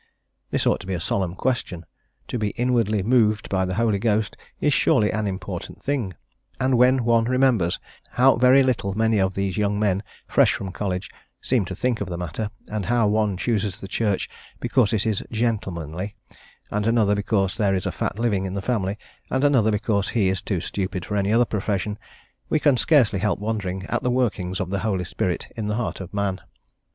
This ought to be a solemn question: to be inwardly moved by the Holy Ghost is surely an important thing; and when one remembers how very little many of these young men, fresh from college, seem to think of the matter, and how one chooses the Church because it is "gentlemanly," and another because there is a fat living in the family, and another because he is too stupid for any other profession, we can scarcely help wondering at the workings of the Holy Spirit in the heart of man.